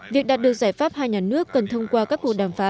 việc đạt được giải pháp hai nhà nước cần thông qua các cuộc đàm phán